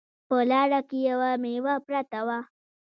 په لاره کې یوه میوه پرته وه